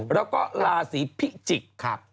แล้วก็ราศีพิจิกษ์